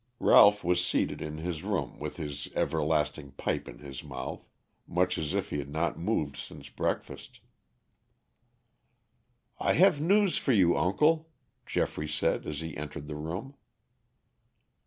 Ralph was seated in his room with his everlasting pipe in his mouth, much as if he had not moved since breakfast. "I have news for you, uncle," Geoffrey said as he entered the room.